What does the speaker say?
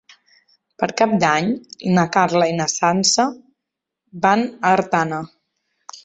Per Cap d'Any na Carla i na Sança van a Artana.